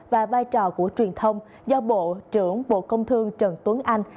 và vai trò của truyền thông do bộ trưởng bộ công thương trần tuấn anh